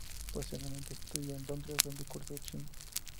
Posteriormente estudió en Londres, donde cursó chino.